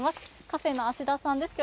カフェの芦田さんです。